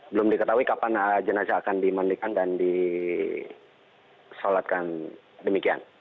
belum diketahui kapan jenazah akan dimandikan dan disolatkan demikian